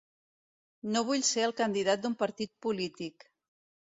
No vull ser el candidat d’un partit polític.